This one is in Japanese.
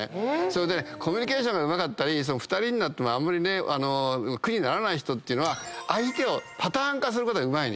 それでコミュニケーションがうまかったり２人になってもあんまりね苦にならない人は相手をパターン化することがうまい。